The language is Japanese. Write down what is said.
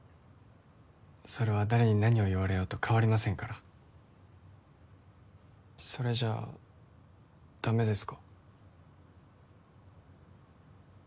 それは誰に何を言われようと変わりませんからそれじゃあダメですか？